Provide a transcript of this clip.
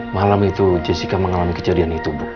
malam itu jessica mengalami kejadian itu bu